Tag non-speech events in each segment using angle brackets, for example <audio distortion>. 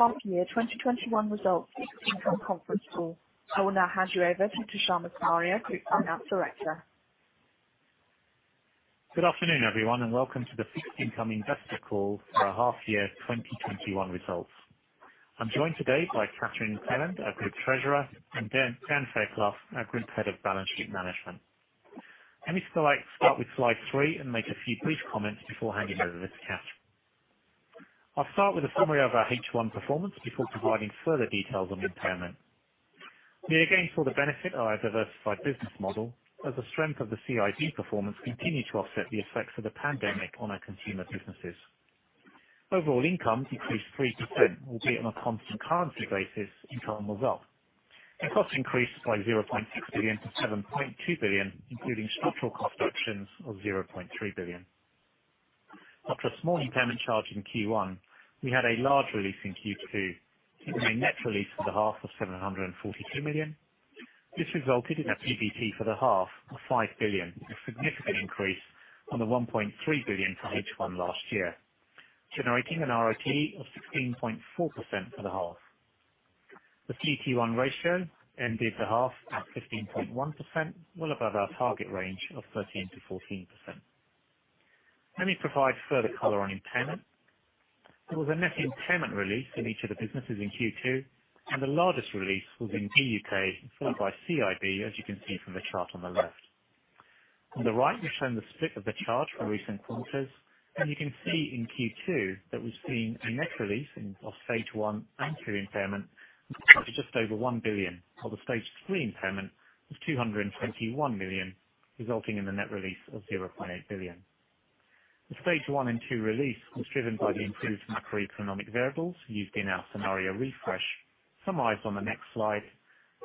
Welcome to the Barclays Half Year 2021 Results Fixed Income Conference Call. I will now hand you over to Tushar Morzaria, Group Finance Director. Good afternoon, everyone, and welcome to the Fixed Income Investor Call for our Half Year 2021 Results. I am joined today by Kathryn McLeland, our Group Treasurer, and Dan Fairclough, our Group Head of Balance Sheet Management. Let me start with slide three and make a few brief comments before handing over to Kathryn. I will start with a summary of our H1 performance before providing further details on impairment. We again saw the benefit of our diversified business model as the strength of the CIB performance continued to offset the effects of the pandemic on our consumer businesses. Overall income decreased 3%, albeit on a constant currency basis, income was up. Our costs increased by 0.6 billion to 7.2 billion, including structural cost reductions of 0.3 billion. After a small impairment charge in Q1, we had a large release in Q2, giving a net release for the half of 742 million. This resulted in a PBT for the half of 5 billion, a significant increase on the 1.3 billion for H1 last year, generating an RoTE of 16.4% for the half. The CET1 ratio ended the half at 15.1%, well above our target range of 13%-14%. Let me provide further color on impairment. There was a net impairment release in each of the businesses in Q2, and the largest release was in BUK, followed by CIB, as you can see from the chart on the left. On the right, we've shown the split of the charge for recent quarters, you can see in Q2 that we've seen a net release of stage 1 and 2 impairment of just over 1 billion, while the stage 3 impairment was 221 million, resulting in the net release of 0.8 billion. The stage 1 and 2 release was driven by the improved macroeconomic variables used in our scenario refresh, summarized on the next slide,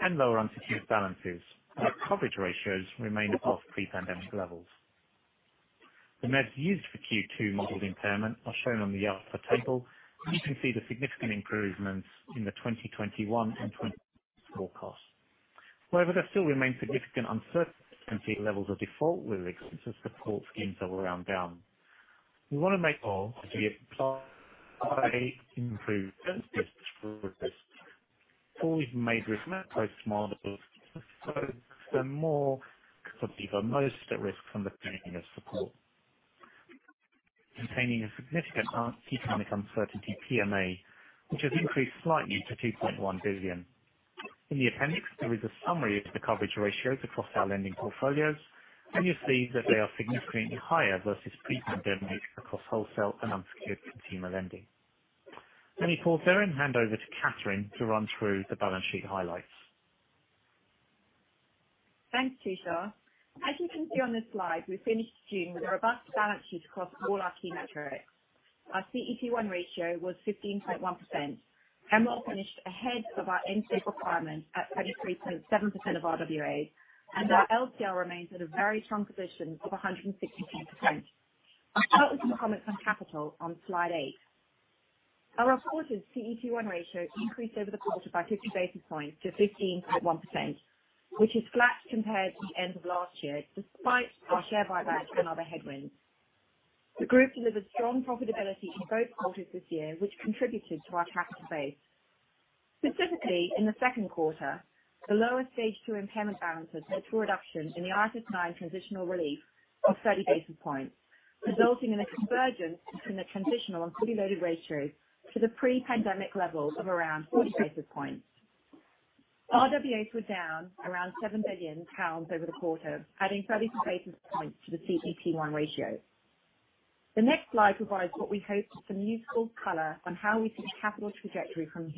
and lower unsecured balances. Our coverage ratios remain above pre-pandemic levels. The MEVs used for Q2 modeled impairment are shown on the upper table, you can see the significant improvements in the 2021 and forecasts. There still remains significant uncertainty at levels of default, with the existence of support schemes that will round down. We want to make all <audio distortion> most at risk from the beginning of support. Containing a significant economic uncertainty, PMA, which has increased slightly to 2.1 billion. In the appendix, there is a summary of the coverage ratios across our lending portfolios, and you'll see that they are significantly higher versus pre-pandemic across wholesale and unsecured consumer lending. Let me pause there and hand over to Kathryn to run through the balance sheet highlights. Thanks, Tushar. As you can see on this slide, we finished June with robust balances across all our key metrics. Our CET1 ratio was 15.1%. MREL finished ahead of our end date requirement at 33.7% of RWAs, and our LCR remains at a very strong position of 116%. I'll start with some comments on capital on slide eight. Our reported CET1 ratio increased over the quarter by 50 basis points to 15.1%, which is flat compared to the end of last year, despite our share buyback and other headwinds. The group delivered strong profitability in both quarters this year, which contributed to our capital base. Specifically, in the second quarter, the lower stage 2 impairment balances led to a reduction in the IFRS 9 transitional relief of 30 basis points, resulting in a convergence between the transitional and fully loaded ratios to the pre-pandemic levels of around 40 basis points. RWAs were down around 7 billion pounds over the quarter, adding 30 basis points to the CET1 ratio. The next slide provides what we hope is some useful color on how we see the capital trajectory from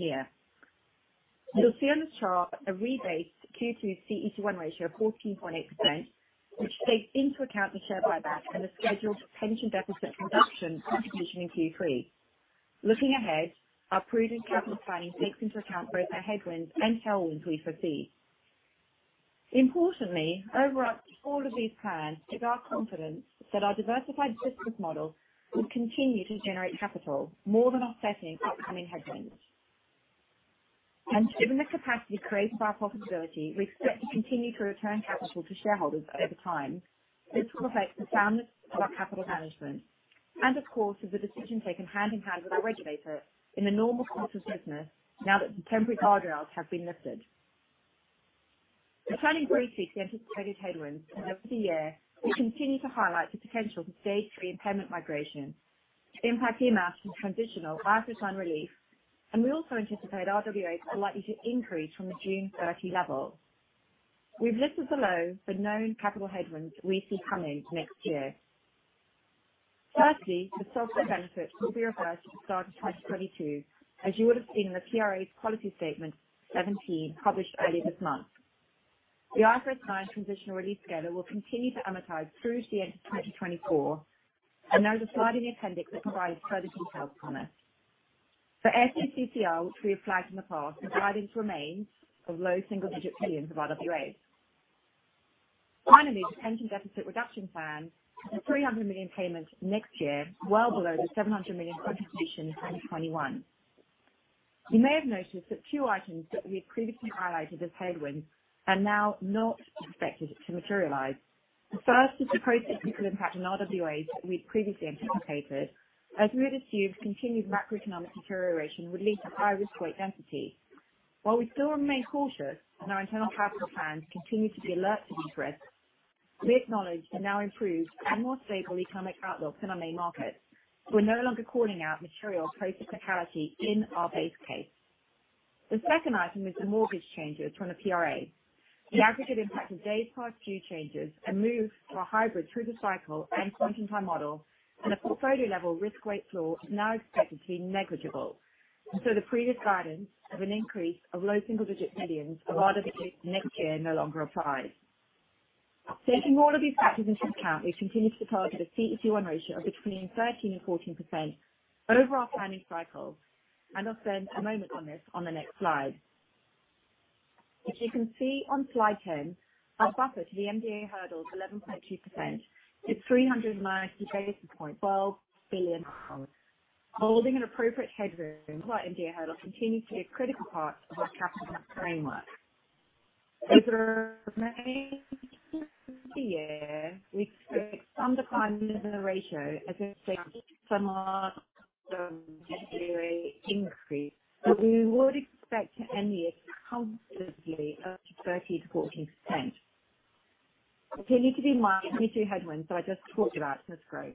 here. You'll see on this chart a rebased Q2 CET1 ratio of 14.8%, which takes into account the share buyback and the scheduled pension deficit reduction contribution in Q3. Looking ahead, our prudent capital planning takes into account both the headwinds and tailwinds we foresee. Importantly, overarching all of these plans is our confidence that our diversified business model will continue to generate capital, more than offsetting upcoming headwinds. Given the capacity created by profitability, we expect to continue to return capital to shareholders over time. This reflects the soundness of our capital management, and of course, is a decision taken hand-in-hand with our regulator in the normal course of business now that the temporary guardrails have been lifted. Turning briefly to the anticipated headwinds over the year will continue to highlight the potential for stage 3 impairment migration to impact the amount of transitional IFRS 9 relief. We also anticipate RWAs are likely to increase from the June 30 level. We've listed below the known capital headwinds we see coming next year. Thirdly, the subsidy benefit will be reversed at the start of 2022, as you would have seen in the PRA's Policy Statement 17, published earlier this month. The IFRS 9 transitional relief schedule will continue to amortize through to the end of 2024, and there is a slide in the appendix that provides further details on this. For SA-CCR, which we have flagged in the past, the guidance remains of low single-digit billions of RWAs. Finally, the pension deficit reduction plan is 300 million payments next year, well below the 700 million contribution in 2021. You may have noticed that two items that we had previously highlighted as headwinds are now not expected to materialize. The first is the procyclical impact in RWAs that we'd previously anticipated as we'd assumed continued macroeconomic deterioration would lead to higher risk weight density. While we still remain cautious and our internal capital plans continue to be alert to these risks, we acknowledge the now improved and more stable economic outlook in our main markets. We're no longer calling out material procyclicality in our base case. The second item is the mortgage changes from the PRA. The aggregate impact of days past due changes and move to a hybrid through the cycle and point-in-time model and a portfolio level risk weight floor is now expected to be negligible. The previous guidance of an increase of low single-digit billions of RWA next year no longer applies. Taking all of these factors into account, we've continued to target a CET1 ratio of between 13% and 14% over our planning cycles, and I'll spend a moment on this on the next slide. If you can see on slide 10, our buffer to the MDA hurdle of 11.2% is GBP 390 basis point or 12 billion pounds. Holding an appropriate headroom above our MDA hurdle continues to be a critical part of our capital framework. Over the remaining of the year, we expect some decline in the ratio as a result of some RWA increase. We would expect to end the year comfortably at 13%-14%. Continuing to be mindful of the two headwinds that I just talked about on this slide.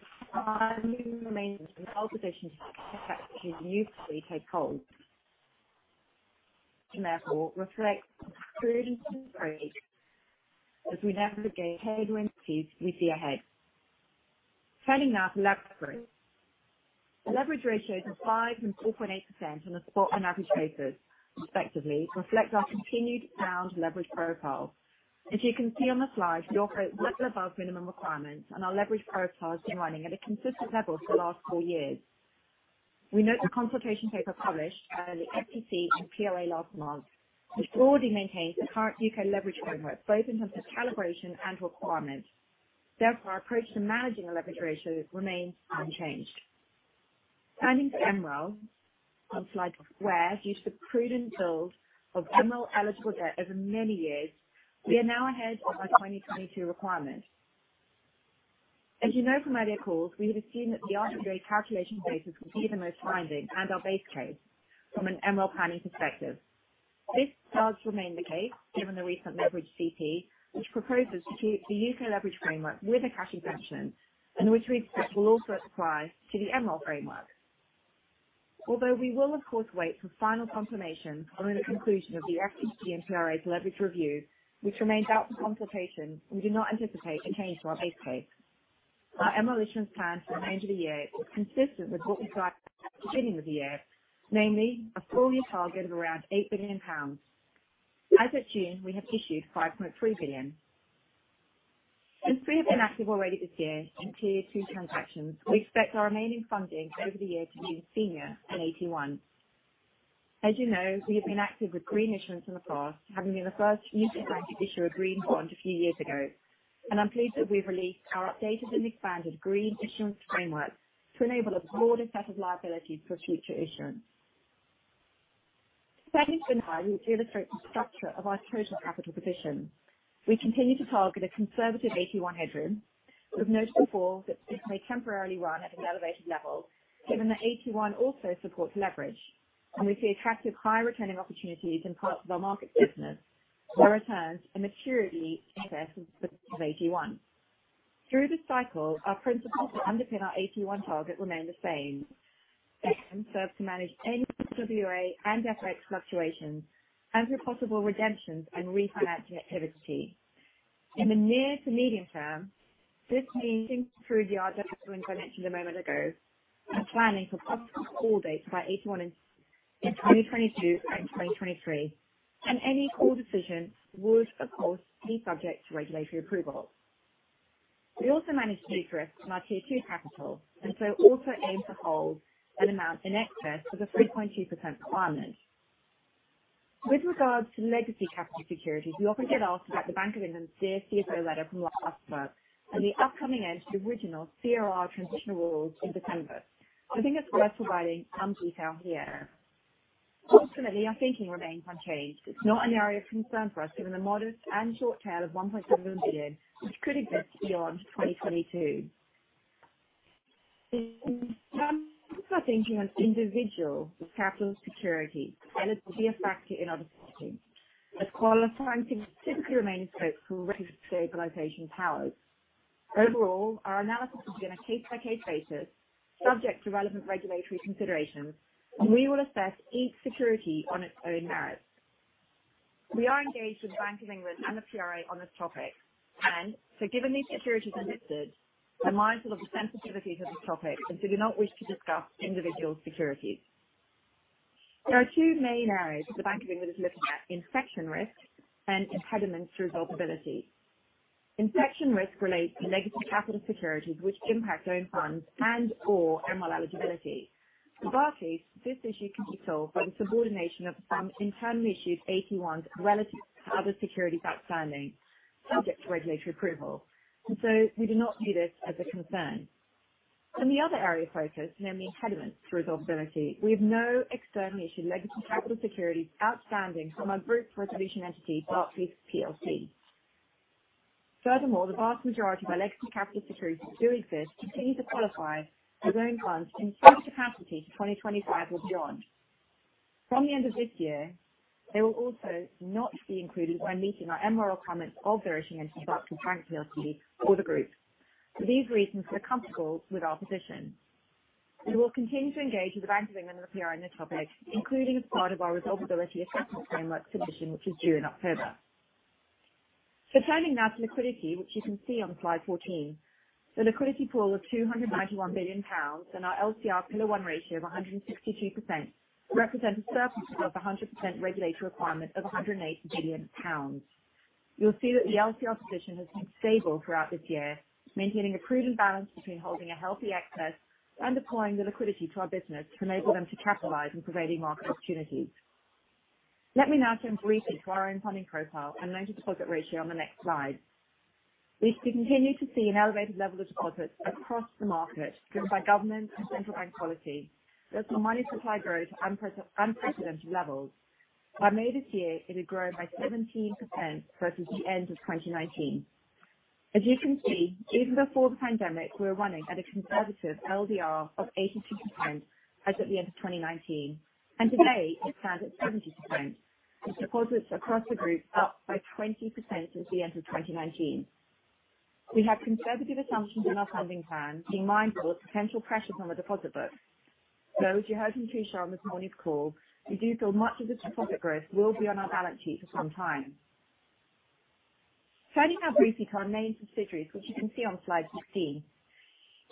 <audio distortion> take hold and therefore reflect prudence as we navigate the headwinds we see ahead. Turning now to leverage. The leverage ratio of 5% and 4.8% on a spot and average basis respectively, reflects our continued sound leverage profile. As you can see on the slide, we operate well above minimum requirements and our leverage profile has been running at a consistent level for the last four years. We note the consultation paper published by the FPC and PRA last month, which broadly maintains the current U.K. leverage framework, both in terms of calibration and requirements. Therefore, our approach to managing the leverage ratio remains unchanged. Turning to MREL on slide 12, due to the prudent build of MREL-eligible debt over many years, we are now ahead of our 2022 requirements. As you know from earlier calls, we have assumed that the RWA calculation basis will be the most binding and our base case from an MREL planning perspective. This does remain the case given the recent leverage CP, which proposes to keep the U.K. leverage framework with a cash exemption and which we expect will also apply to the MREL framework. Although we will of course wait for final confirmation on the conclusion of the FPC and PRA's leverage review, which remains out for consultation, we do not anticipate a change to our base case. Our MREL issuance plan for the end of the year is consistent with what we guided at the beginning of the year, namely a full year target of around 8 billion pounds. As at June, we have issued 5.3 billion. Since we have been active already this year in Tier 2 transactions, we expect our remaining funding over the year to be in senior and AT1. As you know, we have been active with green issuance in the past, having been the first U.K. bank to issue a Green Bond a few years ago, and I'm pleased that we've released our updated and expanded green issuance framework to enable a broader set of liabilities for future issuance. Turning to now, we illustrate the structure of our total capital position. We continue to target a conservative AT1 headroom. We've noted before that this may temporarily run at an elevated level, given that AT1 also supports leverage, and we see attractive high returning opportunities in parts of our markets business where returns and maturity interests of AT1. Through the cycle, our principles that underpin our AT1 target remain the same. They serve to manage any RWA and FX fluctuations and through possible redemptions and refinancing activity. In the near to medium term, this means improved RWAs I mentioned a moment ago, and planning for possible call dates by AT1 in 2022 and 2023. Any call decisions would of course be subject to regulatory approval. We also manage interest on our Tier 2 capital and so also aim to hold an amount in excess of the 3.2% requirement. With regards to legacy capital securities, we often get asked about the Bank of England CFO letter from last March, and the upcoming end to the original CRR transitional rules in December. I think it's worth providing some detail here. Ultimately, our thinking remains unchanged. It's not an area of concern for us given the modest and short tail of 1.7 billion which could exist beyond 2022. I think you have individual capital security, and it will be a factor in our decisions. The qualifying typically remain in scope for resolution powers. Overall, our analysis will be on a case-by-case basis subject to relevant regulatory considerations, and we will assess each security on its own merits. We are engaged with the Bank of England and the PRA on this topic. Given these securities are listed, I'm mindful of the sensitivities of this topic and do not wish to discuss individual securities. There are two main areas that the Bank of England is looking at. Infection risk and impediments to resolvability. Infection risk relates to legacy capital securities which impact own funds and/or MREL eligibility. In our case, this issue can be solved by the subordination of some internally issued AT1s relative to other securities outstanding. Subject to regulatory approval. We do not see this as a concern. In the other area of focus, namely impediments to resolvability, we have no externally issued legacy capital securities outstanding from our group resolution entity, Barclays PLC. Furthermore, the vast majority of our legacy capital securities that do exist continue to qualify for own funds in some capacity to 2025 or beyond. From the end of this year, they will also not be included when meeting our MREL commitments of the issuing entity, Barclays Bank PLC, or the group. For these reasons, we are comfortable with our position. We will continue to engage with the Bank of England and the PRA on this topic, including as part of our Resolvability Assessment Framework submission, which is due in October. Turning now to liquidity, which you can see on slide 14. The liquidity pool of 291 billion pounds and our LCR pillar 1 ratio of 162% represent a surplus above 100% regulatory requirement of 180 billion pounds. You'll see that the LCR position has been stable throughout this year, maintaining a prudent balance between holding a healthy excess and deploying the liquidity to our business to enable them to capitalize on prevailing market opportunities. Let me now turn briefly to our own funding profile and loan to deposit ratio on the next slide. We continue to see an elevated level of deposits across the market driven by government and central bank policy, with the money supply growth unprecedented levels. By May this year, it had grown by 17% versus the end of 2019. As you can see, even before the pandemic, we were running at a conservative LDR of 82% as at the end of 2019, and today it stands at 70%, with deposits across the group up by 20% since the end of 2019. We have conservative assumptions in our funding plan, being mindful of potential pressures on the deposit book. As you heard from Tushar on this morning's call, we do feel much of the deposit growth will be on our balance sheet for some time. Turning now briefly to our main subsidiaries, which you can see on slide 15.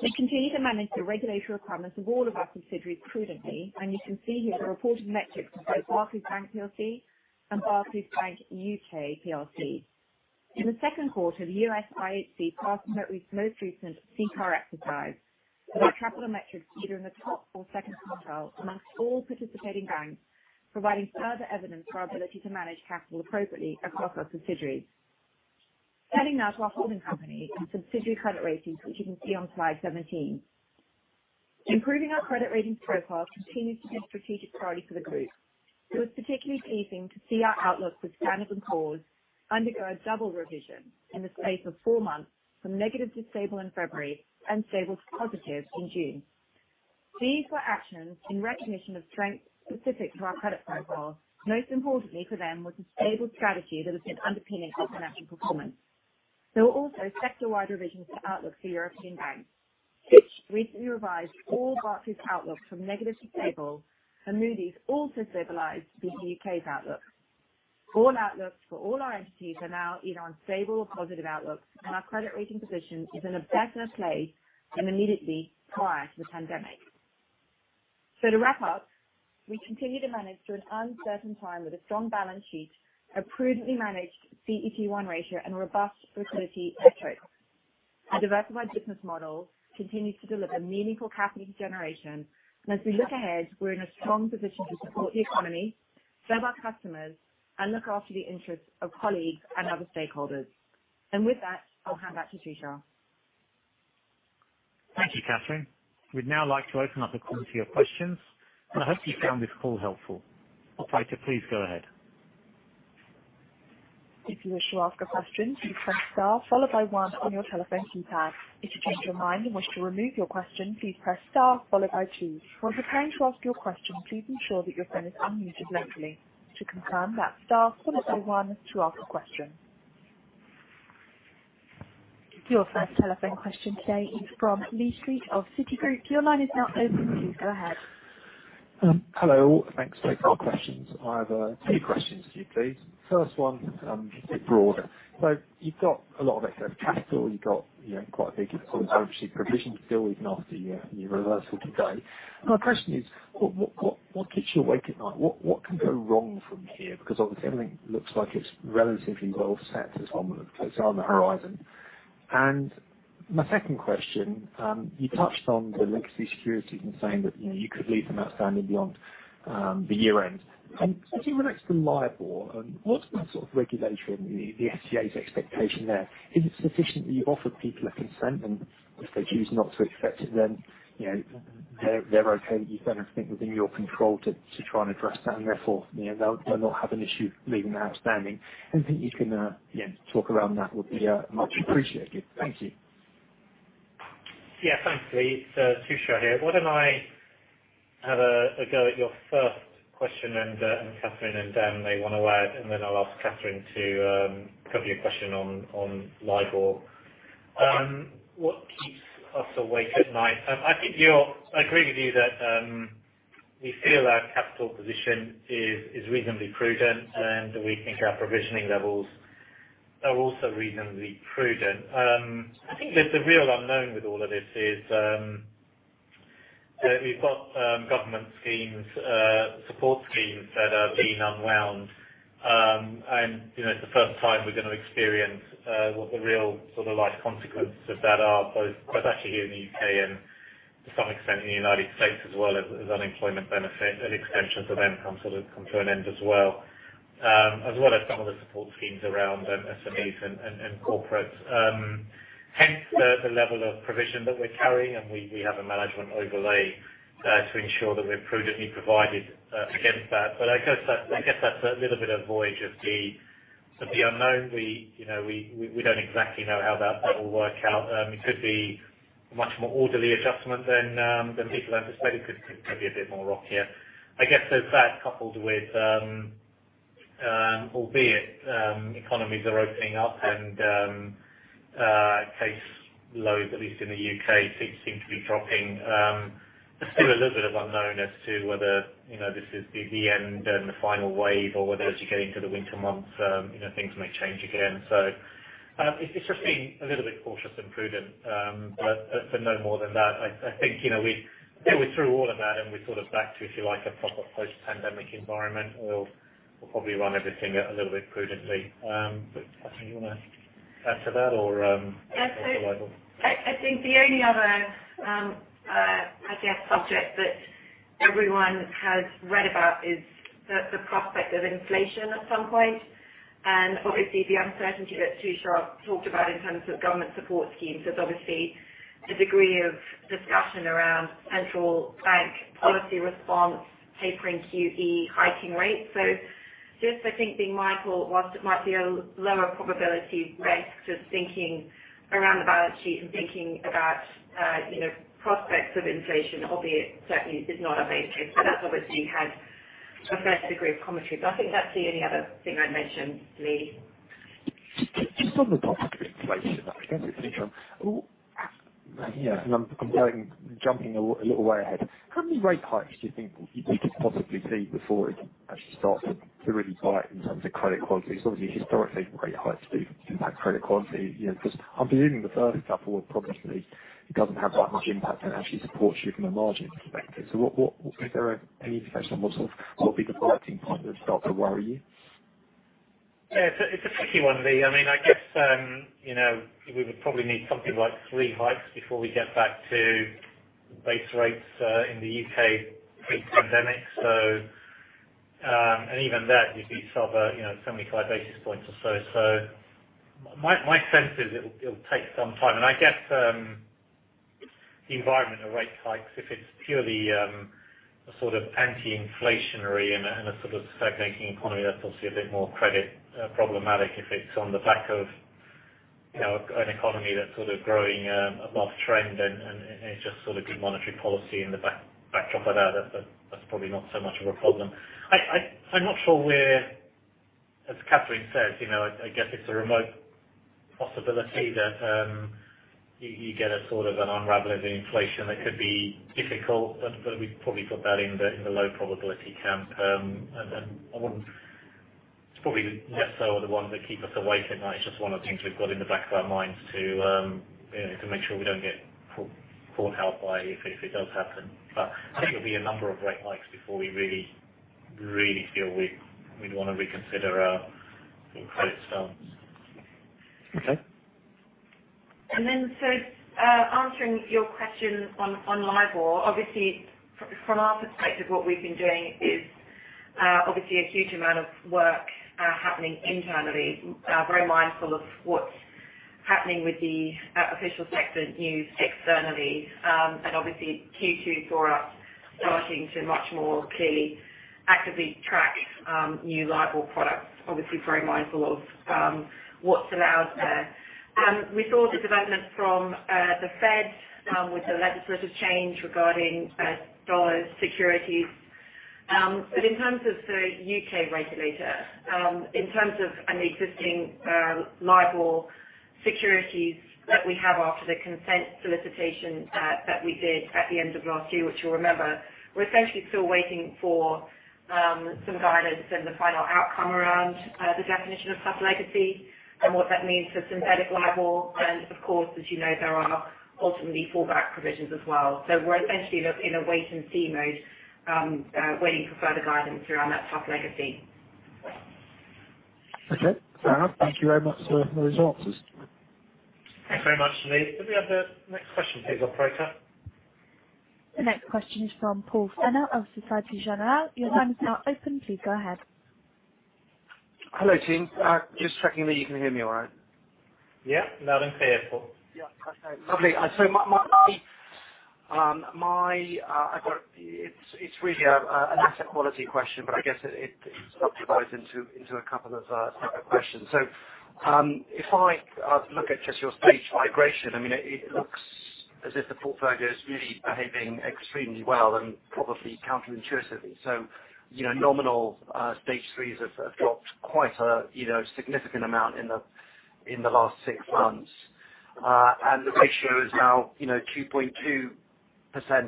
We continue to manage the regulatory requirements of all of our subsidiaries prudently, and you can see here the reported metrics for both Barclays Bank PLC and Barclays Bank UK PLC. In the second quarter, the U.S. IHC passed its most recent CCAR exercise, with our capital metrics either in the top or second quartile amongst all participating banks, providing further evidence for our ability to manage capital appropriately across our subsidiaries. Turning now to our holding company and subsidiary credit ratings, which you can see on slide 17. Improving our credit ratings profile continues to be a strategic priority for the group. It was particularly pleasing to see our outlook with Standard & Poor's undergo a double revision in the space of four months, from negative to stable in February and stable to positive in June. These were actions in recognition of strengths specific to our credit profile. Most importantly for them was the stable strategy that has been underpinning our financial performance. There were also sector-wide revisions to outlook for European banks. Fitch recently revised all Barclays outlook from negative to stable, and Moody's also stabilized the U.K.'s outlook. All outlooks for all our entities are now either on stable or positive outlooks, and our credit rating position is in a better place than immediately prior to the pandemic. To wrap up, we continue to manage through an uncertain time with a strong balance sheet, a prudently managed CET1 ratio, and a robust liquidity metric. Our diversified business model continues to deliver meaningful capital generation. As we look ahead, we're in a strong position to support the economy, serve our customers, and look after the interests of colleagues and other stakeholders. With that, I'll hand back to Tushar. Thank you, Kathryn. We'd now like to open up the call to your questions. I hope you found this call helpful. Operator, please go ahead. Your first telephone question today is from Lee Street of Citigroup. Your line is now open. Please go ahead. Hello. Thanks. Three quick questions. I have two questions for you, please. First one, a bit broad. You've got a lot of excess capital. You've got quite a big provision bill, even after your reversal today. My question is, what keeps you awake at night? What can go wrong from here? Obviously, everything looks like it's relatively well set at the moment, eyes on the horizon. My second question, you touched on the legacy securities and saying that you could leave them outstanding beyond the year end. As it relates to LIBOR, what's the sort of regulation, the FCA's expectation there? Is it sufficient that you offer people a consent and if they choose not to accept it, then they're okay. You don't have to think within your control to try and address that, and therefore, they'll not have an issue leaving that outstanding. Anything you can, again, talk around that would be much appreciated. Thank you. Yeah, thanks, Lee. It's Tushar here. Why don't I have a go at your first question, and Kathryn want to add, then I'll ask Kathryn to cover your question on LIBOR. What keeps us awake at night? I agree with you that we feel our capital position is reasonably prudent, and we think our provisioning levels are also reasonably prudent. I think that the real unknown with all of this is, you've got government schemes, support schemes that are being unwound. It's the first time we're going to experience what the real life consequences of that are, both actually here in the U.K. and to some extent in the United States as well as unemployment benefit and extensions of them come to an end as well. As well as some of the support schemes around SMEs and corporates. Hence the level of provision that we're carrying, and we have a management overlay to ensure that we're prudently provided against that. I guess that's a little bit of voyage of the unknown. We don't exactly know how that will work out. It could be a much more orderly adjustment than people anticipated. Could be a bit more rockier. I guess that coupled with, albeit economies are opening up and case loads, at least in the U.K., seem to be dropping. There's still a little bit of unknown as to whether this is the end and the final wave or whether as you get into the winter months things may change again. It's just being a little bit cautious and prudent. For no more than that, I think, we're through all of that and we're back to, if you like, a proper post-pandemic environment. We'll probably run everything a little bit prudently. Kathryn, you want to add to that? I think the only other subject that everyone has read about is the prospect of inflation at some point. Obviously the uncertainty that Tushar talked about in terms of government support schemes. There's obviously a degree of discussion around central bank policy response, tapering QE hiking rates. Just I think being mindful, whilst it might be a lower probability risk, just thinking around the balance sheet and thinking about prospects of inflation, albeit certainly is not our base case, but that's obviously had a fair degree of commentary. I think that's the only other thing I'd mention, Lee. Just on the prospect of inflation, I guess it's an interim. I'm jumping a little way ahead. How many rate hikes do you think we could possibly see before it actually starts to really bite in terms of credit quality? Obviously historically rate hikes do impact credit quality. I'm believing the first couple will probably be, it doesn't have that much impact and actually supports you from a margin perspective. Is there any indicator of what would be the parting point that would start to worry you? It's a tricky one, Lee. I guess we would probably need something like three hikes before we get back to base rates, in the U.K. pre-pandemic. Even that you'd be sort of 75 basis points or so. My sense is it'll take some time. I guess the environment of rate hikes, if it's purely a sort of anti-inflationary and a sort of stagnating economy, that's obviously a bit more credit problematic if it's on the back of an economy that's growing above trend and it's just good monetary policy in the backdrop of that's probably not so much of a problem. I'm not sure where, as Kathryn says, I guess it's a remote possibility that you get a sort of an unraveling of inflation that could be difficult. We've probably got that in the low probability camp. It's probably less so are the ones that keep us awake at night. It's just one of the things we've got in the back of our minds to make sure we don't get caught out by if it does happen. I think it'll be a number of rate hikes before we really feel we'd want to reconsider our credit stance. Okay. Answering your question on LIBOR. Obviously from our perspective, what we've been doing is obviously a huge amount of work happening internally. Very mindful of what's happening with the official sector news externally. Obviously Q2 saw us starting to much more clearly actively track new LIBOR products. Obviously very mindful of what's allowed there. We saw the development from the Fed with the legislative change regarding dollars securities. In terms of the U.K. regulator, in terms of any existing LIBOR securities that we have after the consent solicitation that we did at the end of last year, which you'll remember, we're essentially still waiting for some guidance and the final outcome around the definition of tough legacy and what that means for synthetic LIBOR. Of course, as you know, there are ultimately fallback provisions as well. We're essentially in a wait and see mode, waiting for further guidance around that tough legacy. Okay. Fair enough. Thank you very much for those answers. Thanks very much, Lee. Can we have the next question please, Operator? The next question is from Paul Fenner of Societe Generale. Your line is now open. Please go ahead. Hello, team. Just checking that you can hear me all right. Yeah. Loud and clear, Paul. Yeah. Perfect. Lovely. It's really an asset quality question, but I guess it subdivides into a couple of separate questions. If I look at just your stage migration, it looks as if the portfolio is really behaving extremely well and probably counterintuitively. Nominal stage 3s have dropped quite a significant amount in the last six months. The ratio is now 2.2%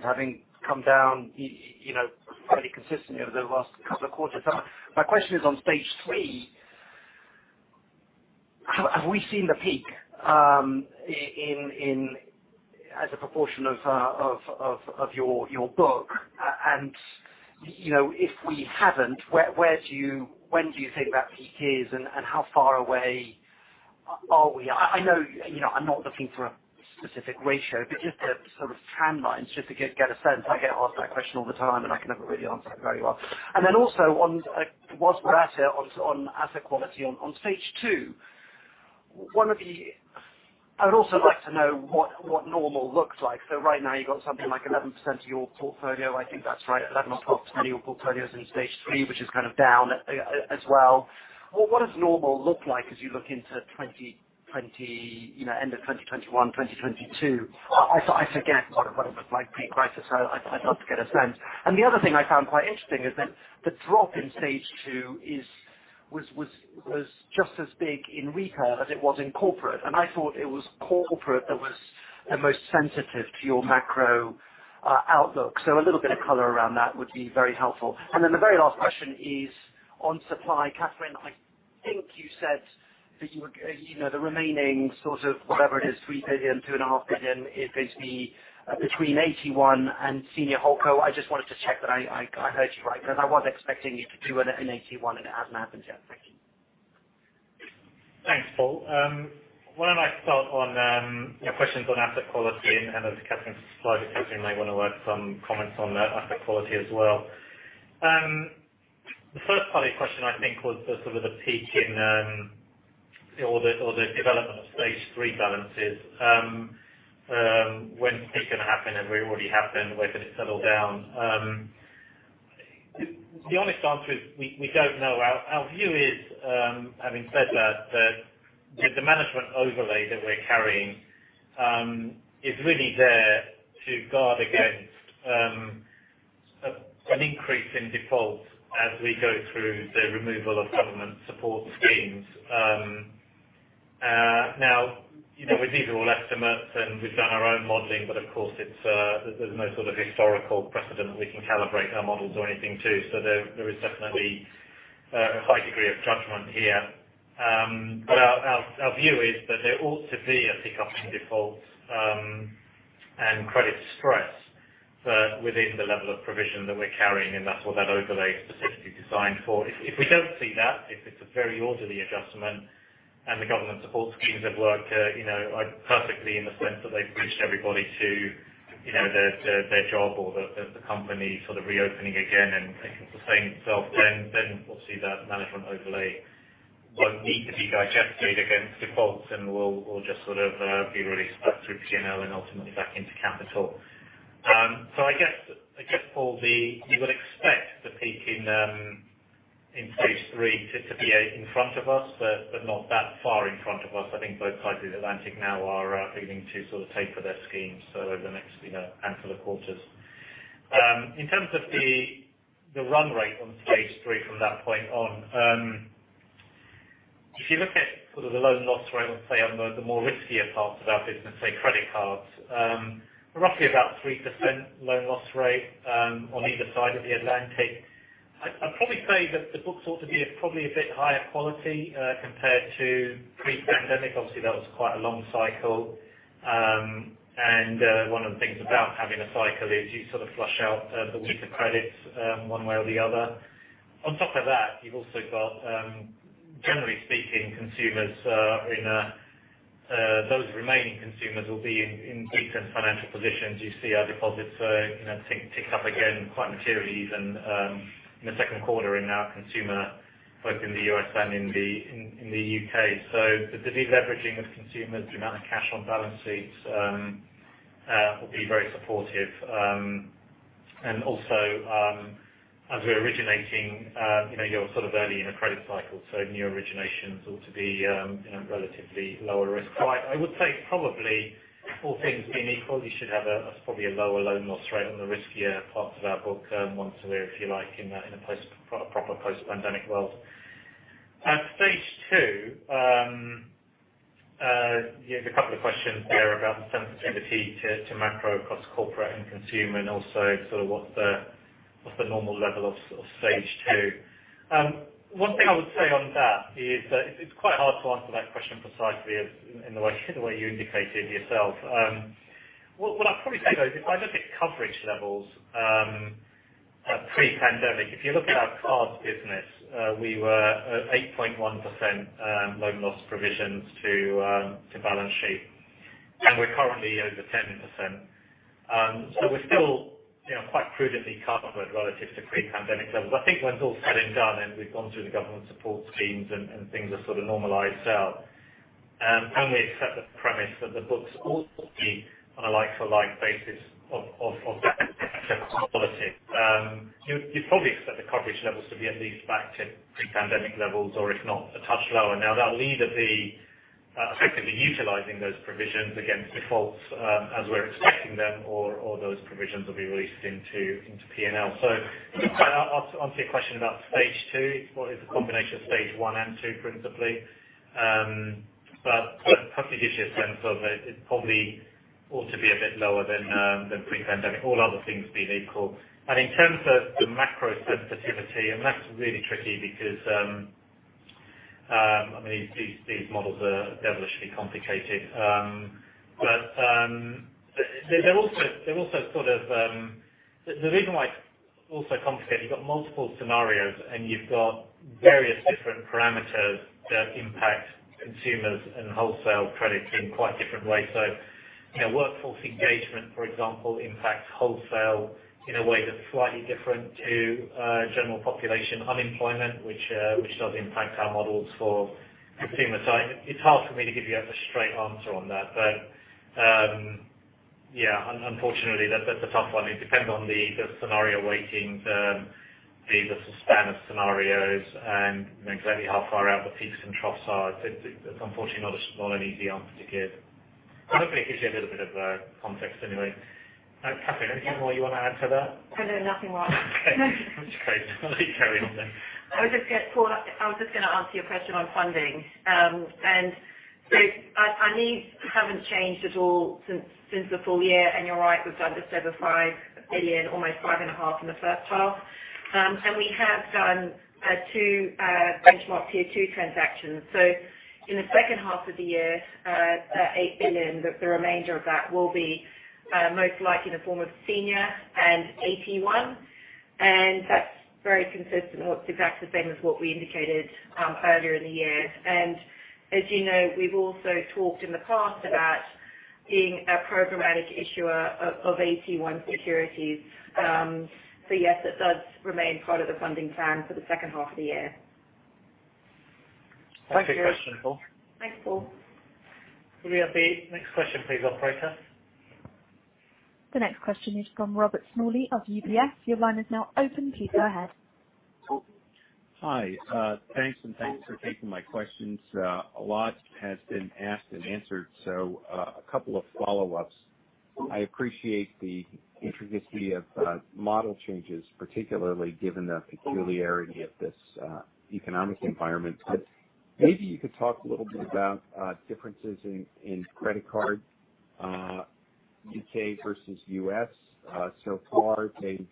having come down fairly consistently over the last couple of quarters. My question is on stage 3, have we seen the peak as a proportion of your book? If we haven't, when do you think that peak is, and how far away are we? I'm not looking for a specific ratio, but just the sort of trend lines, just to get a sense. I get asked that question all the time, and I can never really answer it very well. While we're at it, on asset quality, on Stage 2, I would also like to know what normal looks like. Right now you've got something like 11% of your portfolio. I think that's right, 11% or 12% of your portfolio is in Stage 3, which is kind of down as well. What does normal look like as you look into end of 2021, 2022? I forget what it looked like pre-crisis, I'd love to get a sense. The other thing I found quite interesting is that the drop in Stage 2 was just as big in retail as it was in corporate, and I thought it was corporate that was the most sensitive to your macro outlook. A little bit of color around that would be very helpful. The very last question is on supply. Kathryn, I think you said that the remaining, sort of whatever it is, 3 billion, 2.5 billion is between AT1 and Senior Holdco. I just wanted to check that I heard you right, because I was expecting you to do an AT1 and it hasn't happened yet. Thank you. Thanks, Paul. Why don't I start on your questions on asset quality, and then as Kathryn supplied, I presume you may want to add some comments on asset quality as well. The first part of your question, I think, was the sort of the peak or the development of Stage 3 balances. When is it going to happen, and where will we have been? Where could it settle down? The honest answer is we don't know. Our view is, having said that the management overlay that we're carrying is really there to guard against an increase in defaults as we go through the removal of government support schemes. Now, these are all estimates, and we've done our own modeling, but of course, there's no sort of historical precedent we can calibrate our models or anything to. There is definitely a high degree of judgment here. Our view is that there ought to be a pick-up in defaults and credit stress, but within the level of provision that we're carrying, and that's what that overlay is specifically designed for. If we don't see that, if it's a very orderly adjustment and the government support schemes have worked perfectly in the sense that they've reached everybody to their job or the company reopening again and it can sustain itself, then obviously that management overlay won't need to be digested against defaults, and will just sort of be released back through P&L and ultimately back into capital. I guess, Paul, you would expect the peak in Stage 3 to be in front of us, but not that far in front of us. I think both sides of the Atlantic now are beginning to sort of taper their schemes. Over the next handful of quarters. In terms of the run rate on Stage 3 from that point on, if you look at the loan loss rate, let's say on the more riskier parts of our business, say credit cards. Roughly about 3% loan loss rate on either side of the Atlantic. I'd probably say that the books ought to be probably a bit higher quality compared to pre-pandemic. Obviously, that was quite a long cycle. One of the things about having a cycle is you sort of flush out the weaker credits one way or the other. On top of that, you've also got, generally speaking, those remaining consumers will be in decent financial positions. You see our deposits ticked up again quite materially even in the second quarter in our consumer, both in the U.S. and in the U.K. The de-leveraging of consumers, the amount of cash on balance sheets will be very supportive. Also, as we're originating, you're sort of early in a credit cycle, new originations ought to be relatively lower risk. I would say probably all things being equal, you should have probably a lower loan loss rate on the riskier parts of our book once a year, if you like, in a proper post-pandemic world. Stage 2. There's a couple of questions there about the sensitivity to macro across corporate and consumer, and also sort of what the normal level of Stage 2. One thing I would say on that is that it's quite hard to answer that question precisely in the way you indicated yourself. What I'd probably say, though, is if I look at coverage levels pre-pandemic, if you look at our cards business, we were at 8.1% loan loss provisions to balance sheet, and we're currently over 10%. We're still quite prudently covered relative to pre-pandemic levels. I think when it's all said and done, and we've gone through the government support schemes and things are sort of normalized out, and we accept the premise that the books ought to be on a like-for-like basis of debt quality. You'd probably expect the coverage levels to be at least back to pre-pandemic levels or if not, a touch lower. That will either be effectively utilizing those provisions against defaults as we're expecting them, or those provisions will be released into P&L. To answer your question about Stage 2, it's a combination of Stage 1 and 2, principally. That probably gives you a sense of it. It probably ought to be a bit lower than pre-pandemic, all other things being equal. In terms of the macro sensitivity, that's really tricky because these models are devilishly complicated. The reason why it's also complicated, you've got multiple scenarios and you've got various different parameters that impact consumers and wholesale credit in quite different ways. Workforce engagement, for example, impacts wholesale in a way that's slightly different to general population unemployment, which does impact our models for consumer. It's hard for me to give you a straight answer on that. Yeah, unfortunately, that's a tough one. It depends on the scenario weighting, the span of scenarios, and exactly how far out the peaks and troughs are. It's unfortunately not an easy answer to give. Hopefully it gives you a little bit of context anyway. Kathryn, anything more you want to add to that? I know nothing more. Okay. That's great. I'll let you carry on then. I was just going to answer your question on funding. Our needs haven't changed at all since the full year. You're right, we've done just over 5 billion, almost 5.5 billion in the first half. We have done two benchmark Tier 2 transactions. In the second half of the year, that 8 billion, the remainder of that will be most likely in the form of senior and AT1. That's very consistent with exactly the same as what we indicated earlier in the year. As you know, we've also talked in the past about being a programmatic issuer of AT1 securities. Yes, it does remain part of the funding plan for the second half of the year. Thank you. Thanks, Paul. Could we have the next question please, operator? The next question is from Robert Smalley of UBS. Your line is now open. Please go ahead. Hi. Thanks, thanks for taking my questions. A lot has been asked and answered, a couple of follow-ups. I appreciate the intricacy of model changes, particularly given the peculiarity of this economic environment. Maybe you could talk a little bit about differences in credit card, U.K. versus U.S. Far they've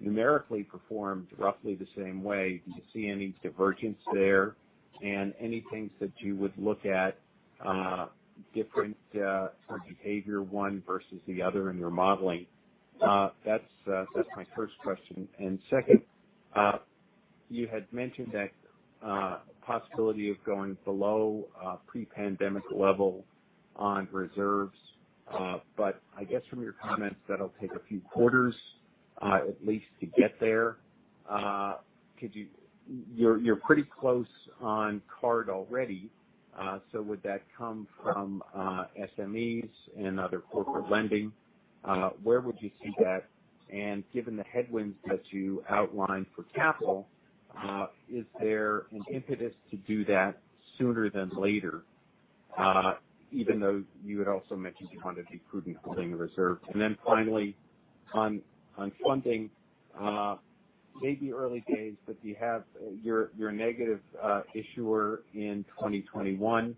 numerically performed roughly the same way. Do you see any divergence there? Any things that you would look at different for behavior, one versus the other in your modeling? That's my first question. Second, you had mentioned that possibility of going below pre-pandemic level on reserves. I guess from your comments that'll take a few quarters at least to get there. You're pretty close on card already. Would that come from SMEs and other corporate lending? Where would you see that? Given the headwinds that you outlined for capital, is there an impetus to do that sooner than later? Even though you had also mentioned you wanted to be prudent holding the reserves. Finally, on funding, may be early days, but you have your negative issuer in 2021.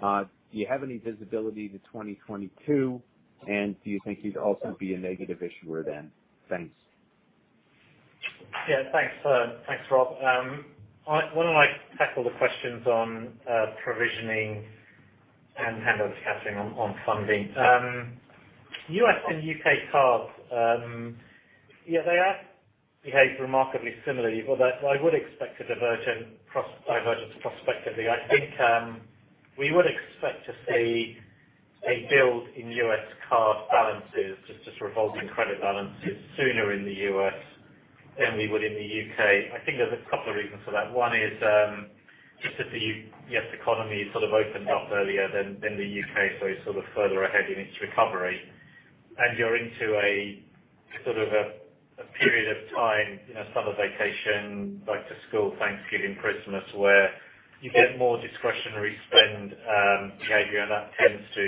Do you have any visibility to 2022? Do you think you'd also be a negative issuer then? Thanks. Yeah, thanks. Thanks, Rob. Why don't I tackle the questions on provisioning and hand over to Kathryn on funding. U.S. and U.K. cards, yeah, they have behaved remarkably similarly. Although I would expect a divergence prospectively. I think we would expect to see a build in U.S. card balances, just as revolving credit balances sooner in the U.S. than we would in the U.K. I think there's a couple of reasons for that. One is just that the U.S. economy sort of opened up earlier than the U.K., so it's sort of further ahead in its recovery. You're into a period of time, summer vacation, back to school, Thanksgiving, Christmas, where you get more discretionary spend behavior, and that tends to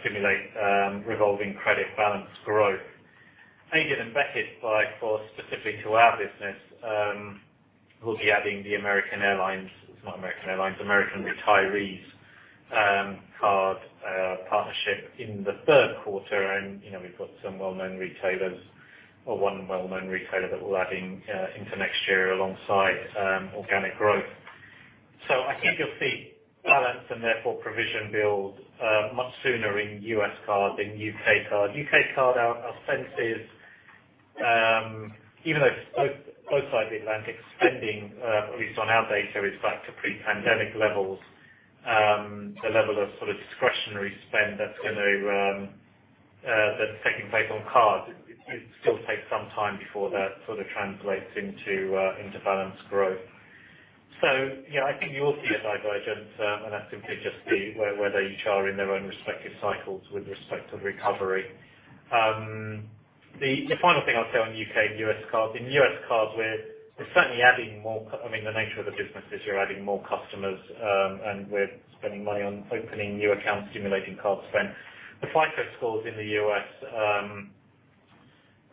stimulate revolving credit balance growth. Aided and abetted by, specifically to our business, we'll be adding the American Airlines, it's not American Airlines, American Retirees card partnership in the third quarter. We've got some well-known retailers or one well-known retailer that we're adding into next year alongside organic growth. I think you'll see balance and therefore provision build much sooner in U.S. card than U.K. card. U.K. card, our sense is even though both sides of the Atlantic spending, at least on our data, is back to pre-pandemic levels. The level of discretionary spend that's taking place on card, it still takes some time before that translates into balance growth. Yeah, I think you will see a divergence, and that's simply just where they each are in their own respective cycles with respect to recovery. The final thing I'll say on U.K. and U.S. cards, in U.S. cards, we're certainly adding more. The nature of the business is you're adding more customers, and we're spending money on opening new accounts, stimulating card spend. The FICO scores in the U.S.,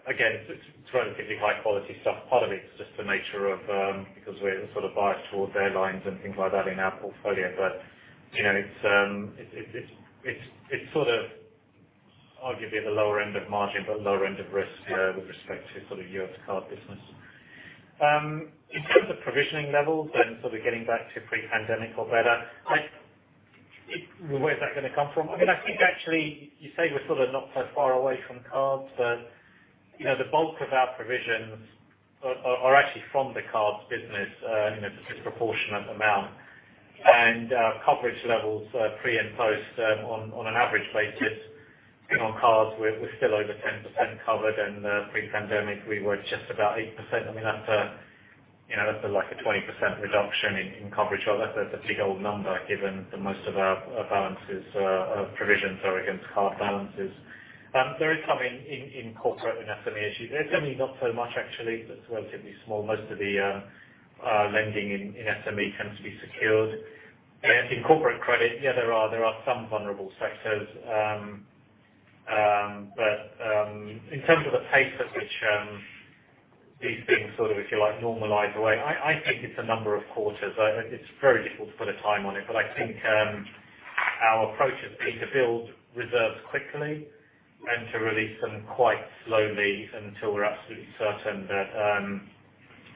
again, it's relatively high quality stuff. Part of it is just the nature of because we're sort of biased towards airlines and things like that in our portfolio. It's sort of, arguably the lower end of margin, but lower end of risk with respect to sort of U.S. card business. In terms of provisioning levels and sort of getting back to pre-pandemic or better, where is that going to come from? I think actually you say we're sort of not so far away from cards, but the bulk of our provisions are actually from the cards business, a disproportionate amount. Coverage levels pre and post on an average basis on cards, we're still over 10% covered and pre-pandemic we were just about 8%. That's like a 20% reduction in coverage. That's a big old number given that most of our balances are provisions are against card balances. There is some in corporate and SME issues. There is certainly not so much actually, that's relatively small. Most of the lending in SME tends to be secured. In corporate credit, yeah, there are some vulnerable sectors. In terms of the pace at which these things sort of, if you like, normalize away, I think it's a number of quarters. It's very difficult to put a time on it, but I think our approach has been to build reserves quickly and to release them quite slowly until we're absolutely certain that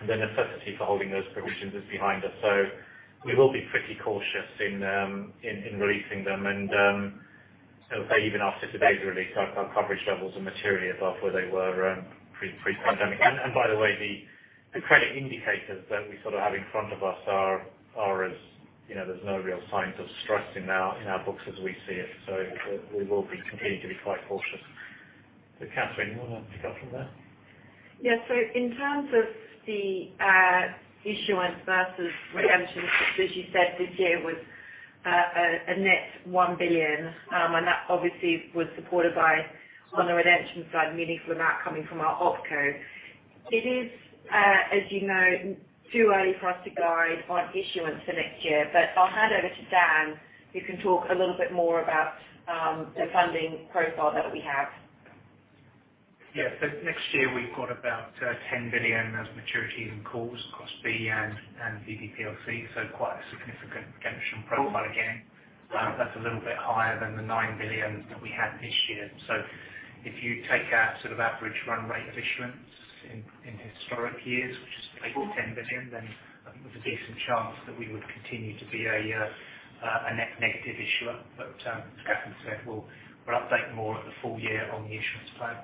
the necessity for holding those provisions is behind us. We will be pretty cautious in releasing them. I would say even after today's release, our coverage levels are materially above where they were pre-pandemic. By the way, the credit indicators that we have in front of us are, there's no real signs of stress in our books as we see it. We will be continuing to be quite cautious. Kathryn, you want to pick up from there? In terms of the issuance versus redemptions, which as you said, this year was a net 1 billion. That obviously was supported by, on the redemption side, meaningful amount coming from our OpCo. It is, as you know, too early for us to guide on issuance for next year. I'll hand over to Dan, who can talk a little bit more about the funding profile that we have. Next year we've got about 10 billion as maturities and calls across B and BB PLC. Quite a significant redemption profile again. That's a little bit higher than the 9 billion that we had this year. If you take our sort of average run rate of issuance in historic years, which is 10 billion, I think there's a decent chance that we would continue to be a net negative issuer. As Kathryn said, we'll update more at the full year on the issuance plan.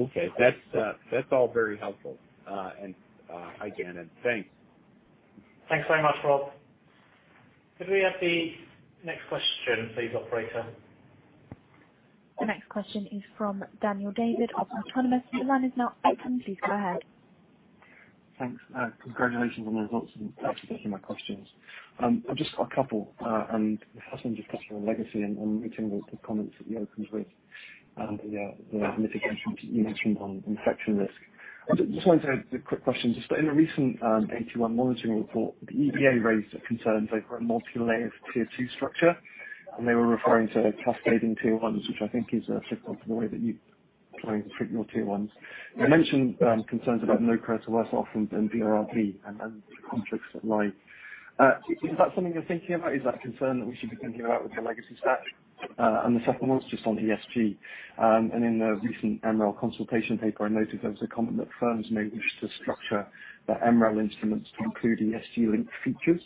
Okay. That's all very helpful. Again, thanks. Thanks very much, Rob. Could we have the next question please, operator? The next question is from Daniel David of Autonomous. Your line is now open. Please go ahead. Thanks. Congratulations on the results and thanks for taking my questions. I've just got a couple. The first one just touched on legacy and meeting with the comments that opened with and the mitigations you mentioned on infection risk. Quick question, just in the recent AT1 monitoring report, the EBA raised concerns over a multilayer Tier 2 structure, and they were referring to cascading Tier 1s, which I think is a flip flop to the way that you plan to treat your Tier 1s. You mentioned concerns about No Creditor Worse Off than BRRD and the conflicts that lie. Is that something you're thinking about? Is that a concern that we should be thinking about with your legacy stack? The second one's just on ESG. In the recent MREL consultation paper, I noted there was a comment that firms may wish to structure their MREL instruments to include ESG linked features.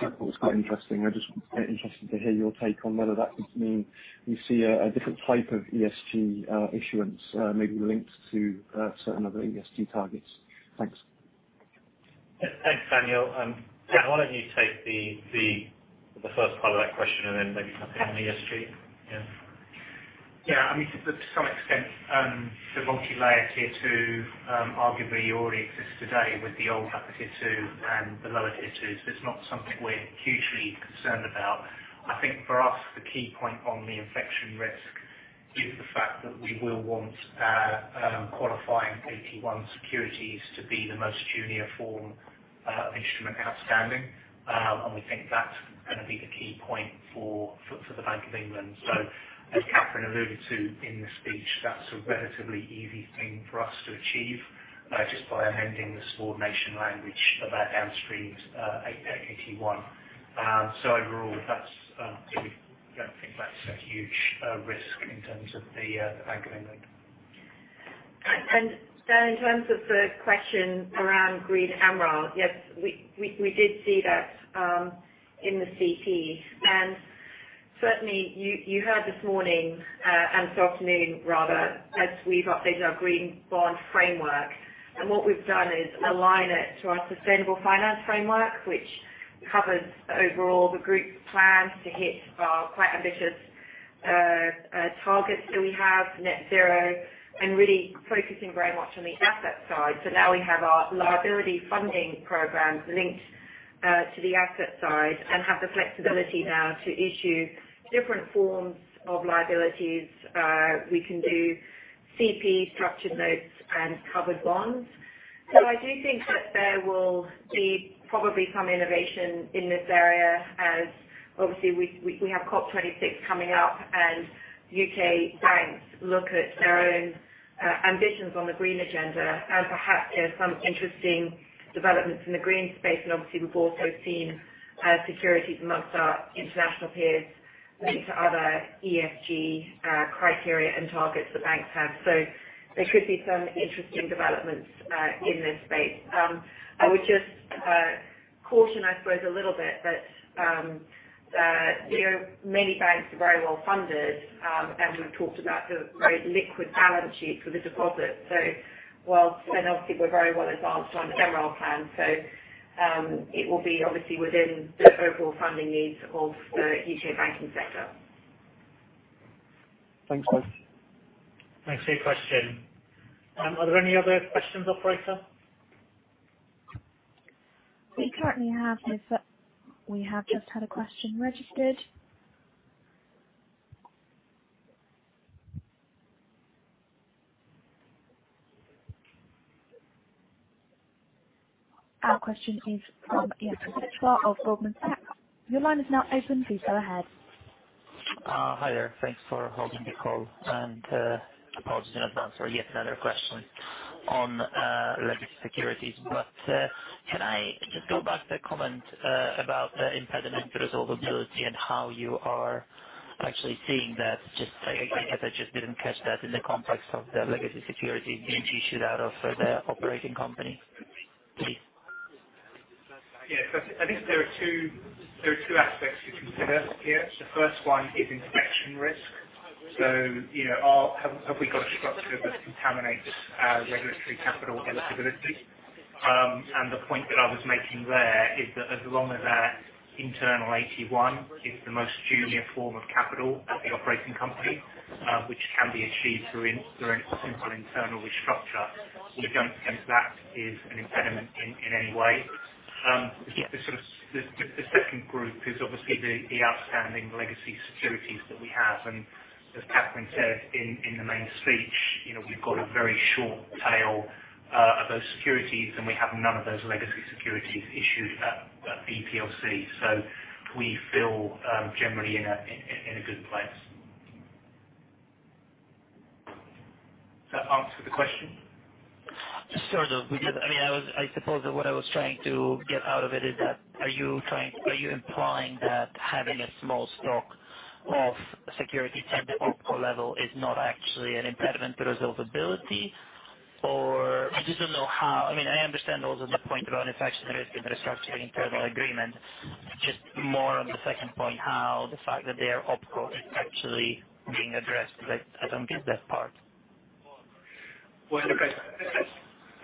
I thought it was quite interesting. I am just interested to hear your take on whether that could mean we see a different type of ESG issuance, maybe linked to certain other ESG targets. Thanks. Thanks, Daniel. Dan, why don't you take the first part of that question and then maybe come to me on ESG? Yeah. To some extent, the multilayer Tier 2 arguably already exists today with the old AT1 and the lower Tier 2s. It's not something we're hugely concerned about. I think for us, the key point on the infection risk is the fact that we will want qualifying AT1 securities to be the most junior form of instrument outstanding. We think that's going to be the key point for the Bank of England. As Kathryn alluded to in the speech, that's a relatively easy thing for us to achieve just by amending the subordination language of our downstream AT1. Overall, we don't think that's a huge risk in terms of the Bank of England. Dan, in terms of the question around green MREL. Yes, we did see that in the CP. Certainly you heard this morning, and this afternoon rather, as we've updated our green bond framework. What we've done is align it to our sustainable finance framework, which covers overall the group's plan to hit our quite ambitious targets that we have, net zero, and really focusing very much on the asset side. Now we have our liability funding programs linked to the asset side and have the flexibility now to issue different forms of liabilities. We can do CP structured notes and covered bonds. I do think that there will be probably some innovation in this area as obviously we have COP26 coming up and U.K. banks look at their own ambitions on the green agenda, and perhaps there's some interesting developments in the green space. Obviously, we've also seen securities amongst our international peers link to other ESG criteria and targets the banks have. There could be some interesting developments in this space. I would just caution, I suppose, a little bit that many banks are very well funded. We've talked about the very liquid balance sheet for the deposit. While obviously we're very well advanced on the general plan, so it will be obviously within the overall funding needs of the U.K. banking sector. Thanks. Thanks for your question. Are there any other questions, operator? We have just had a question registered. Our question is from Jakub Lichwa of Goldman Sachs. Your line is now open. Please go ahead. Hi there. Thanks for holding the call, and apologies in advance for yet another question on legacy securities. Can I just go back to the comment about the impediment to resolvability and how you are actually seeing that? Just again, as I just didn't catch that in the context of the legacy security being issued out of the operating company, please. Yeah. I think there are two aspects to consider here. The first one is infection risk. Have we got a structure that contaminates regulatory capital eligibility? The point that I was making there is that as long as our internal AT1 is the most junior form of capital at the operating company, which can be achieved through a simple internal restructure, we don't think that is an impediment in any way. The second group is obviously the outstanding legacy securities that we have. As Kathryn said in the main speech, we've got a very short tail of those securities, and we have none of those legacy securities issued at BB PLC. We feel generally in a good place. Does that answer the question? Sort of. I suppose what I was trying to get out of it is that, are you implying that having a small stock of security at the OpCo level is not actually an impediment to resolvability? I understand also the point around infection risk and restructuring internal agreement. Just more on the second point, how the fact that they are OpCo is actually being addressed. I don't get that part. Well, look,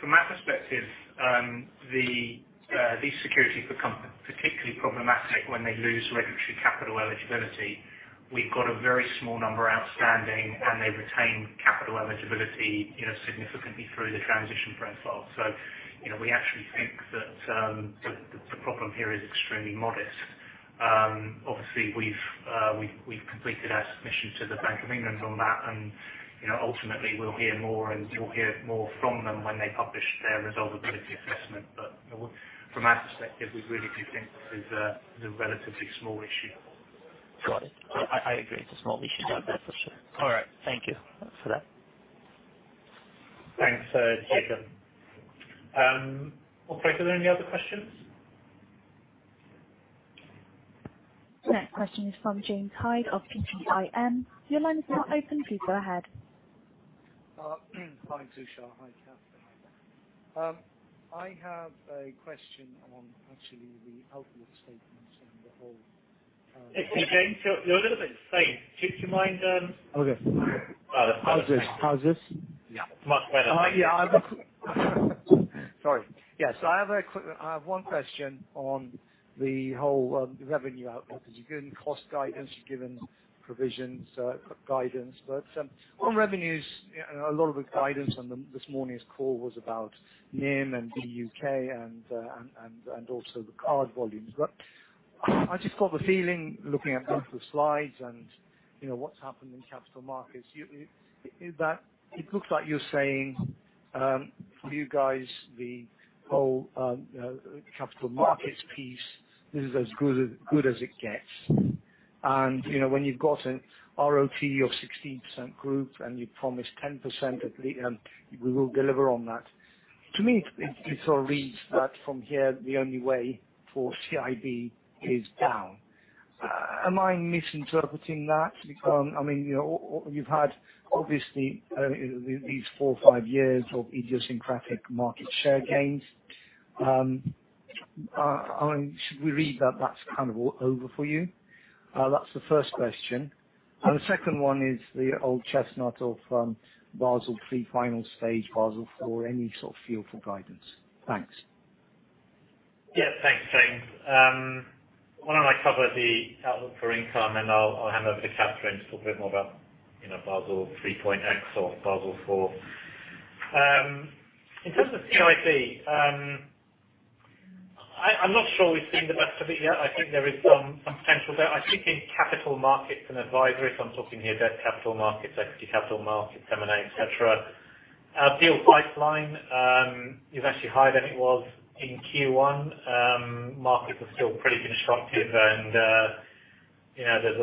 from our perspective, these securities become particularly problematic when they lose regulatory capital eligibility. We've got a very small number outstanding, and they retain capital eligibility significantly through the transition profile. We actually think that the problem here is extremely modest. Obviously, we've completed our submission to the Bank of England on that, and ultimately, we'll hear more from them when they publish their resolvability assessment. From our perspective, we really do think this is a relatively small issue. Got it. I agree. It's a small issue like that for sure. All right. Thank you for that. Thanks, Jakub. Operator, are there any other questions? Next question is from James Hyde of PGIM. Your line is now open. Please go ahead. Hi, Tushar. Hi, Kathryn. I have a question on actually the outlook statements. Hey, James, you're a little bit faint. Do you mind? Okay. How's this? Yeah. Much better. Yeah. Sorry. Yeah. I have one question on the whole revenue outlook, because you've given cost guidance, you've given provisions guidance. On revenues, a lot of the guidance on this morning's call was about NIM and the U.K. and also the card volumes. I just got the feeling, looking at multiple slides and what's happened in capital markets, that it looks like you're saying for you guys, the whole capital markets piece, this is as good as it gets. When you've got an RoTE of 16% group and you promise 10%, we will deliver on that. To me, it sort of reads that from here, the only way for CIB is down. Am I misinterpreting that? Because you've had, obviously, these four or five years of idiosyncratic market share gains. Should we read that that's kind of over for you? That's the first question. The second one is the old chestnut of Basel III final stage, Basel IV. Any sort of feel for guidance? Thanks. Yeah. Thanks, James. Why don't I cover the outlook for income, and I'll hand over to Kathryn to talk a bit more about Basel III or Basel IV. In terms of CIB, I'm not sure we've seen the best of it yet. I think there is some potential there. I think in capital markets and advisory, so I'm talking here debt capital markets, equity capital markets, M&A, et cetera. Our deal pipeline is actually higher than it was in Q1. Markets are still pretty constructive, and there's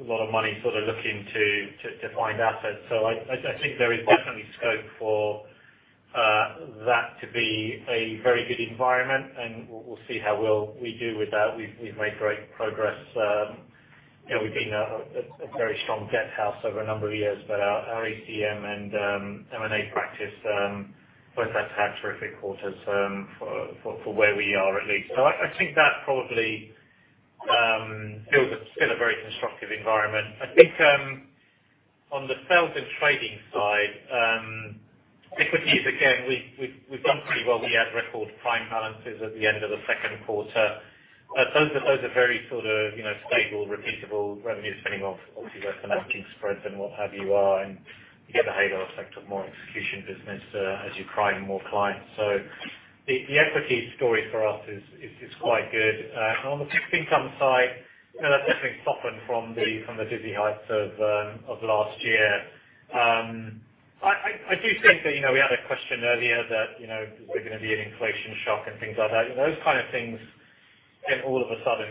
a lot of money looking to find assets. I think there is definitely scope for that to be a very good environment, and we'll see how we do with that. We've made great progress. We've been a very strong debt house over a number of years, but our ECM and M&A practice, both have had terrific quarters for where we are, at least. I think that probably builds still a very constructive environment. I think on the sales and trading side, equities, again, we've done pretty well. We had record prime balances at the end of the second quarter. Those are very stable, repeatable revenues, depending on obviously where financing spreads and what have you are, and you get the halo effect of more execution business as you prime more clients. The equity story for us is quite good. On the fixed income side, that's definitely softened from the dizzy heights of last year. I do think that we had a question earlier that, is there going to be an inflation shock and things like that. Those kind of things can all of a sudden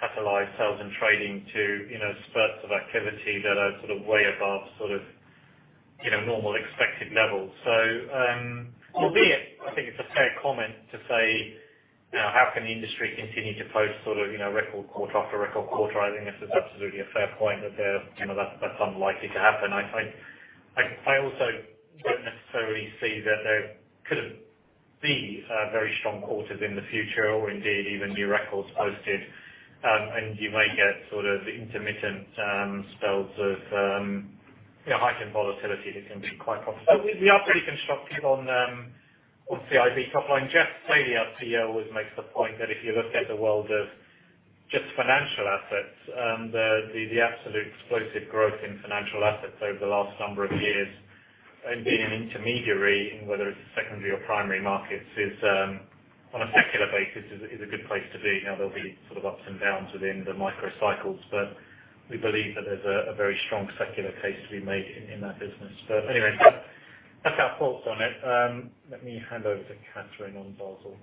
catalyze sales and trading to spurts of activity that are way above normal expected levels. I think it's a fair comment to say, how can the industry continue to post record quarter after record quarter? I think this is absolutely a fair point that's unlikely to happen. I also don't necessarily see that there couldn't be very strong quarters in the future or indeed even new records posted. You may get intermittent spells of heightened volatility that can be quite profitable. We are pretty constructive on CIB top line. Jes Staley, our CEO, always makes the point that if you look at the world of just financial assets, the absolute explosive growth in financial assets over the last number of years and being an intermediary in whether it's secondary or primary markets is, on a secular basis, is a good place to be. Now, there'll be ups and downs within the micro cycles, but we believe that there's a very strong secular case to be made in that business. Anyway, that's our thoughts on it. Let me hand over to Kathryn on Basel.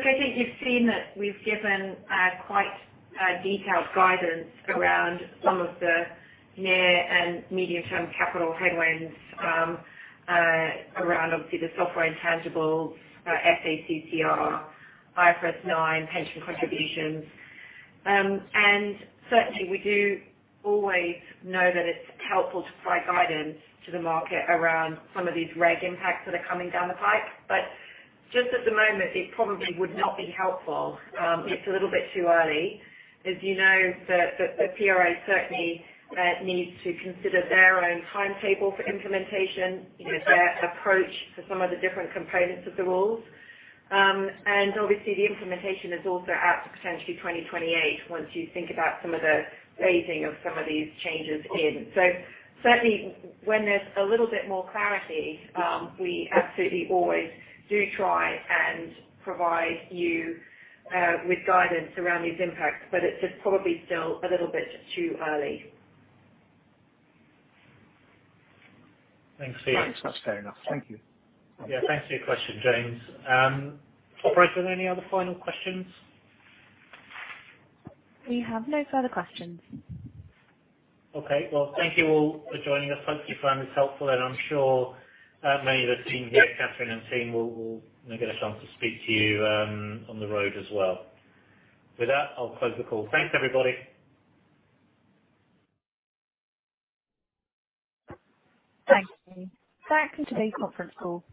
I think you've seen that we've given quite a detailed guidance around some of the near and medium-term capital headwinds around obviously the software intangibles, SA-CCR, IFRS 9, pension contributions. Certainly, we do always know that it's helpful to provide guidance to the market around some of these reg impacts that are coming down the pipe. Just at the moment, it probably would not be helpful. It's a little bit too early. As you know, the PRA certainly needs to consider their own timetable for implementation, their approach to some of the different components of the rules. Obviously, the implementation is also out to potentially 2028 once you think about some of the phasing of some of these changes in. Certainly, when there's a little bit more clarity, we absolutely always do try and provide you with guidance around these impacts, but it's just probably still a little bit too early. Thanks. That's fair enough. Thank you. Yeah. Thanks for your question, James. Operator, are there any other final questions? We have no further questions. Okay. Well, thank you all for joining us. Hope you found this helpful, I'm sure many of the team here, Kathryn and team, will get a chance to speak to you on the road as well. With that, I'll close the call. Thanks, everybody. Thank you. That's today's conference call.